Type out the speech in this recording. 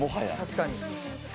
確かに。